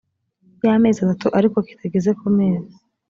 y amezi atatu ariko kitageze ku mezi